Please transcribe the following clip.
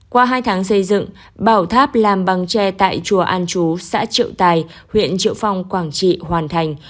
qua hai tháng xây dựng bảo tháp làm bằng tre tại chùa an chú xã triệu tài huyện triệu phong quảng trị hoàn thành